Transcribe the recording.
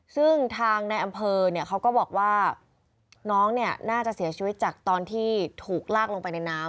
ซึ่งทางในอำเภอเนี่ยเขาก็บอกว่าน้องเนี่ยน่าจะเสียชีวิตจากตอนที่ถูกลากลงไปในน้ำ